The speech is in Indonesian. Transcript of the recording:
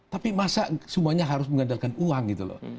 tapi masa semuanya harus mengandalkan uang gitu loh